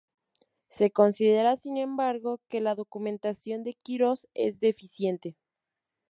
Se considera, sin embargo, que la documentación de Quirós es deficiente.